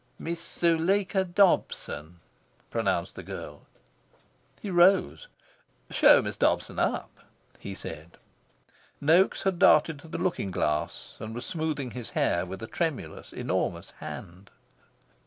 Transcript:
"Miss Zuleika Dobson," pronounced the girl. He rose. "Show Miss Dobson up," he said. Noaks had darted to the looking glass and was smoothing his hair with a tremulous, enormous hand.